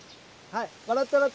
はい。